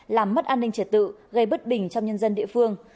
làm mất an ninh trật tự gây bất bình trong nhân dân địa phương